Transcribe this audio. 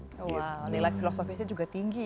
nilai filosofisnya juga tinggi nih